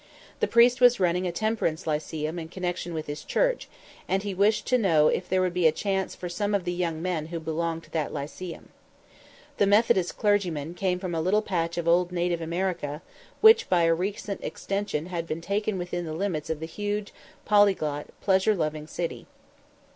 The priest was running a temperance lyceum in connection with his church, and he wished to know if there would be a chance for some of the young men who belonged to that lyceum. The Methodist clergyman came from a little patch of old native America which by a recent extension had been taken within the limits of the huge, polyglot, pleasure loving city.